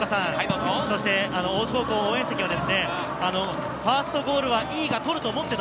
大津高校応援席はファーストゴールは井伊が取ると思っていた。